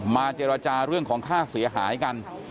เจรจาเรื่องของค่าเสียหายกัน